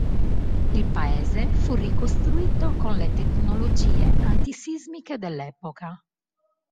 Il paese fu ricostruito con le tecnologie antisismiche dell'epoca.